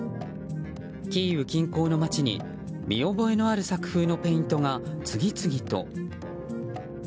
キーウ近郊の街に、見覚えのある作風のペイントが次々と。